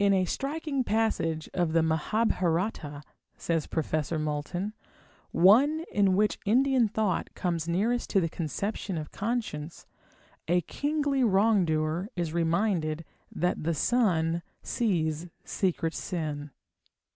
"In a striking passage of the Mahabharata" says Professor Moulton, "one in which Indian thought comes nearest to the conception of conscience, a kingly wrongdoer is reminded that the sun sees secret sin."